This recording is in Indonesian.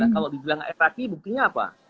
kalau dibilang air aki buktinya apa